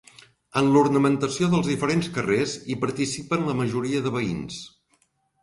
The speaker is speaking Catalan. En l'ornamentació dels diferents carrers hi participen la majoria de veïns.